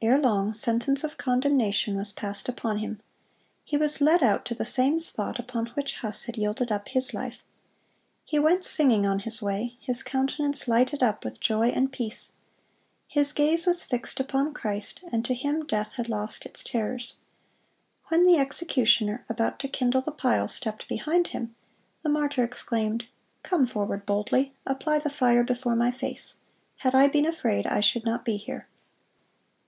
(151) Erelong sentence of condemnation was passed upon him. He was led out to the same spot upon which Huss had yielded up his life. He went singing on his way, his countenance lighted up with joy and peace. His gaze was fixed upon Christ, and to him death had lost its terrors. When the executioner, about to kindle the pile, stepped behind him, the martyr exclaimed, "Come forward boldly; apply the fire before my face. Had I been afraid, I should not be here."